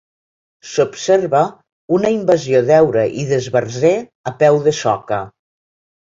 S'observa una invasió d'heura i d'esbarzer a peu de soca.